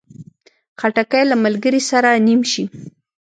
خټکی له ملګري سره نیم شي.